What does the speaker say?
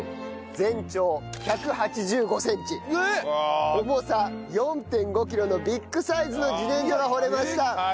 「全長１８５センチ重さ４．５キロのビッグサイズの自然薯が掘れました」